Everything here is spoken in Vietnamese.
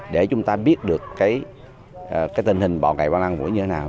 để chúng ta biết được cái tình hình bọ gậy lan quang và mũi như thế nào